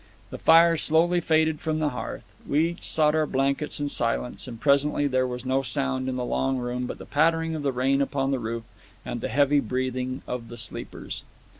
The fire slowly faded from the hearth; we each sought our blankets in silence; and presently there was no sound in the long room but the pattering of the rain upon the roof and the heavy breathing of the sleepers.